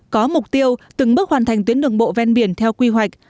có mục tiêu từng bước hoàn thành tuyến đường bộ ven biển theo quy hoạch